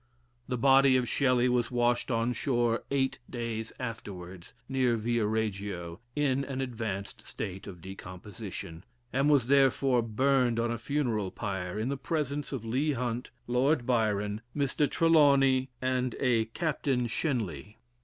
The body of Shelley was washed on shore eight days afterwards, near Via Reggio, in an advanced state of decomposition, and was therefore burned on a funeral pyre in the presence of Leigh Hunt, Lord Byron, Mr. Trelawney, and a Captain Shenley.